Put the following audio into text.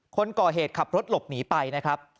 คนก่อเหตุขับรถหลบหนีไปนะครับ